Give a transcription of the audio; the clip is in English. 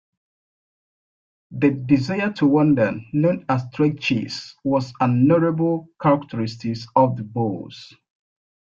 The desire to wander, known as "trekgees", was a notable characteristic of the Boers.